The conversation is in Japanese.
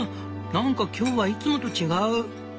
何か今日はいつもと違う」。